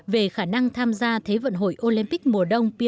về khả năng tham gia thế vận hội olympic mùa đông pic